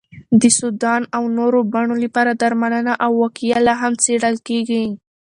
د سودان او نورو بڼو لپاره درملنه او وقایه لا هم څېړل کېږي.